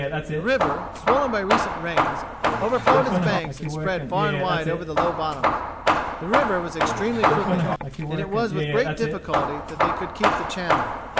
The river, swollen by recent rains, overflowed its banks and spread far and wide over the low bottoms. The river was extremely crooked, and it was with great difficulty that they could keep the channel.